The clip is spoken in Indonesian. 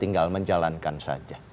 tinggal menjalankan saja